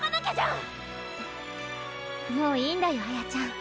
んもういいんだよ綾ちゃん。